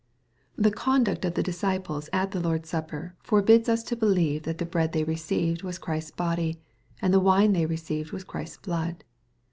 The conduct of the disciples at the Lord's Sappei forbids us to believe that the bread they received wad Christ's body, and the wine they received was Christ's blood.